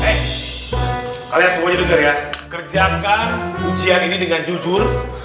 hei kalian semua jadi denger ya kerjakan ujian ini dengan jujur